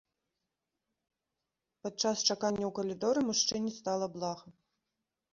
Падчас чакання ў калідоры мужчыне стала блага.